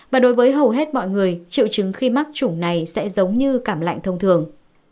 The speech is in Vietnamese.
và đối với hầu hết mọi người triệu chứng khi mắc chủng này sẽ giống như cảm lạnh thông thường